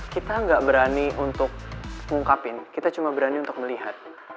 kita nggak berani untuk ngungkapin kita cuma berani untuk melihat